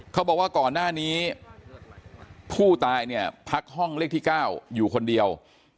เขาบอกว่าก่อนหน้านี้ผู้ตายเนี่ยพักห้องเลขที่๙อยู่คนเดียว